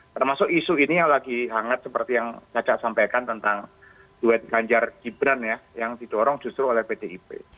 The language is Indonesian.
termasuk isu ini yang lagi hangat seperti yang caca sampaikan tentang duet ganjar gibran ya yang didorong justru oleh pdip